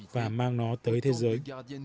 và mang nó tới thế giới